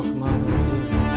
kanjeng temenggu harus pergi